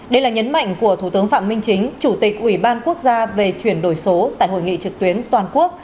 đây là nhấn mạnh của thủ tướng phạm minh chính chủ tịch ủy ban quốc gia về chuyển đổi số tại hội nghị trực tuyến toàn quốc